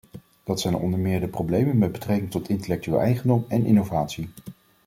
Dat zijn onder meer de problemen met betrekking tot intellectueel eigendom en innovatie.